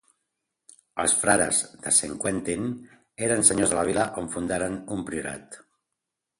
Els frares de Saint-Quentin eren senyors de la vila, on fundaren un priorat.